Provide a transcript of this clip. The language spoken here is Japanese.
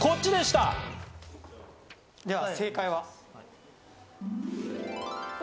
では正解は。